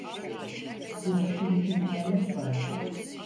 Bu başın içinde neler vardı?